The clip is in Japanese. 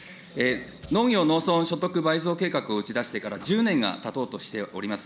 農業農村所得倍増計画を打ち出してから、１０年がたとうとしております。